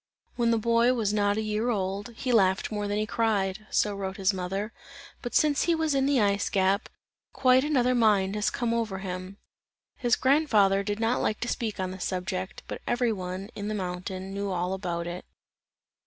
"When the boy was not a year old, he laughed more than he cried," so wrote his mother, "but since he was in the ice gap, quite another mind has come over him." His grand father did not like to speak on the subject, but every one on the mountain knew all about it.